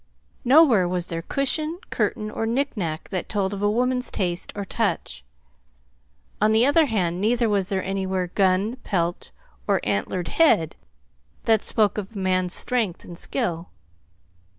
Nowhere was there cushion, curtain, or knickknack that told of a woman's taste or touch. On the other hand, neither was there anywhere gun, pelt, or antlered head that spoke of a man's strength and skill.